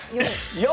４。